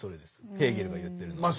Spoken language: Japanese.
ヘーゲルが言ってるのはね。